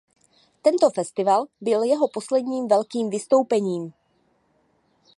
Tento festival byl jeho posledním velkým vystoupením.